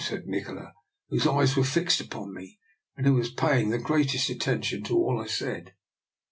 " said Nikola, whose eyes were fixed upon me, and who was paying the greatest attention to all I said.